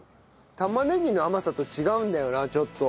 玉ねぎの甘さと違うんだよなちょっと。